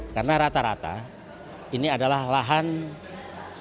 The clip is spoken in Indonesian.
karena rata rata ini adalah lahan yang tidak bisa dikonsumsi